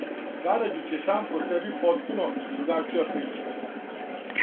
Караџић је сам по себи потпуно другачија прича.